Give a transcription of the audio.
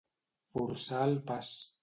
Forçar el pas.